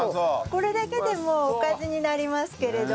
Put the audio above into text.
これだけでもうおかずになりますけれど。